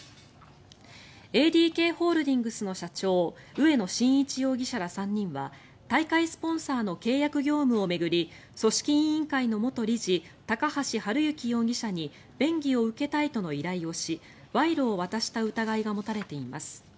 ＡＤＫホールディングスの社長植野伸一容疑者ら３人は大会スポンサーの契約業務を巡り組織委員会の元理事高橋治之容疑者に便宜を受けたいとの依頼をし賄賂を渡した疑いが持たれています。